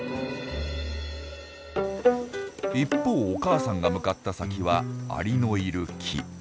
一方お母さんが向かった先はアリのいる木。